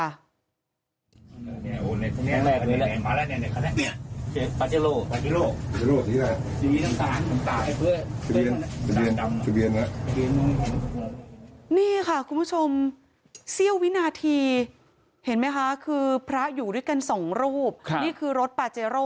มาแล้วมาแล้วมาแล้วพระเจโรพระเจโรพระเจโรพระเจโรพระเจโรพระเจโร